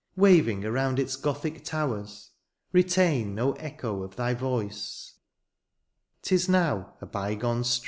Waving around its Gothic towers, retain No echo of thy voice, — ^*tis now a by gone strain.